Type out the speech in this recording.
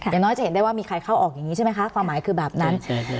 อย่างน้อยจะเห็นได้ว่ามีใครเข้าออกอย่างนี้ใช่ไหมคะความหมายคือแบบนั้น